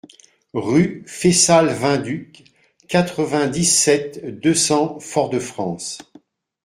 Rue Faissal Vainduc, quatre-vingt-dix-sept, deux cents Fort-de-France